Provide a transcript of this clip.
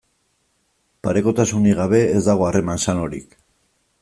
Parekotasunik gabe ez dago harreman sanorik.